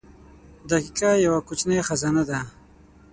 • دقیقه یوه کوچنۍ خزانه ده.